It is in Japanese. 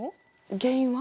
原因は？